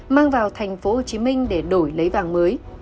mang vào tp hcm để đổi lấy vàng mới